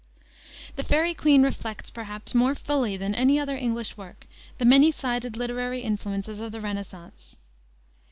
The Faery Queene reflects, perhaps, more fully than any other English work, the many sided literary influences of the renascence.